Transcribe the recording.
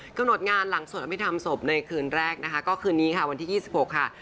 กระโนดงานหลังส่วนพี่ทำศพในคืนแรกนะคะก็คืนนี้ค่ะวันที่๒๖ค่ะ